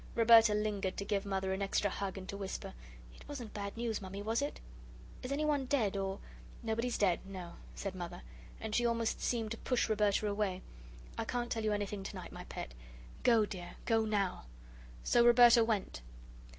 Roberta lingered to give Mother an extra hug and to whisper: "It wasn't bad news, Mammy, was it? Is anyone dead or " "Nobody's dead no," said Mother, and she almost seemed to push Roberta away. "I can't tell you anything tonight, my pet. Go, dear, go NOW." So Roberta went.